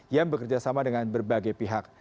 yang bekerjasama dengan berbagai pihak